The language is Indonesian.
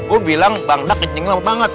gua bilang bangdak kencengnya lama banget